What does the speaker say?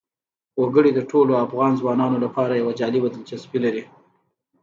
وګړي د ټولو افغان ځوانانو لپاره یوه جالبه دلچسپي لري.